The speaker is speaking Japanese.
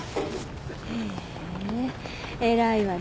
へえ偉いわね